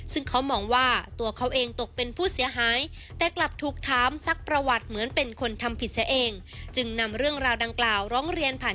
ซึ่งเขามองว่าตัวเขาเองตกเป็นผู้เสียหายแต่กลับถูกถามซักประวัติเหมือนเป็นคนทำผิดเสียเองจึงนำเรื่องราวดังกล่าวร้องเรียนผ่าน